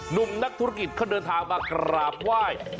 หนุ่มนักธุรกิจเขาเดินทางมากราบไหว้